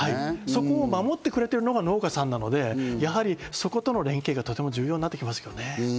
そこ守ってくれてるのが農家さんなので、そことの連携がとても重要になってきますね。